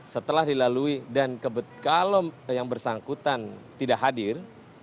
setelah dilalui dan kalau yang bersangkutan tidak hadir